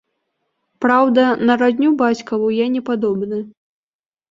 Праўда, на радню бацькаву я не падобны.